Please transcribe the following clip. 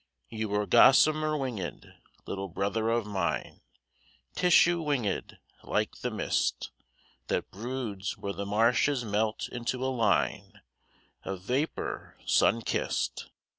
You are gossamer winged, little brother of mine, Tissue winged, like the mist That broods where the marshes melt into a line Of vapour sun kissed.